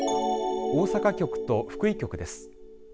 大阪局と福井局です。